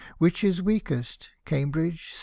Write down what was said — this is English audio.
Which is weakest, Cambridge, say.